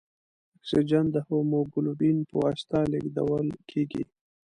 اکسیجن د هیموګلوبین په واسطه لېږدوال کېږي.